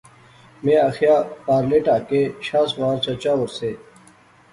میں آخیا، پارلے ٹہا کے شاہ سوار چچا اور سے